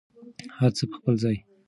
هر څه په خپل ځای.